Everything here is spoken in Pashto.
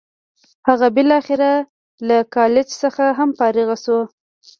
هغه بالاخره له کالج څخه هم فارغ شو.